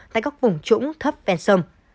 tại các vùng trũng thấp ven sông